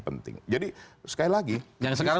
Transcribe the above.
penting jadi sekali lagi yang sekarang